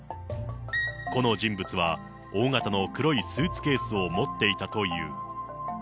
この人物は、大型の黒いスーツケースを持っていたという。